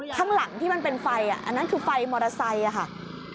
ข้างหลังที่มันเป็นไฟอันนั้นคือไฟมอเตอร์ไซค์ค่ะ